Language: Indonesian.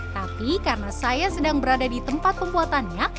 tapi karena saya sedang berada di tempat pembuatannya